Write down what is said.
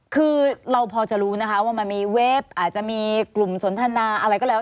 คือเราพอจะรู้นะคะว่ามันมีเว็บอาจจะมีกลุ่มสนทนาอะไรก็แล้ว